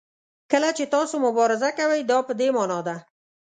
کله چې تاسو مبارزه کوئ دا په دې معنا ده.